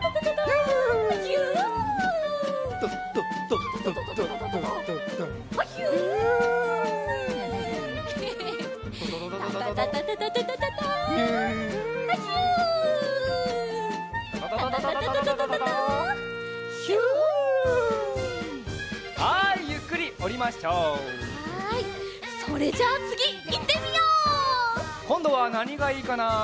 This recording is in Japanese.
こんどはなにがいいかな？